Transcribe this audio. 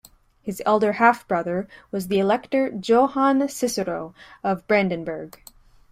His elder half-brother was the Elector Johann Cicero of Brandenburg.